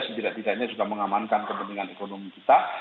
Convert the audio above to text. sejujurnya juga mengamankan kepentingan ekonomi kita